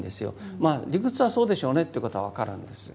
まあ理屈はそうでしょうねっていうことは分かるんです。